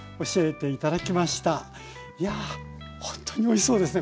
いやあほんとにおいしそうですね。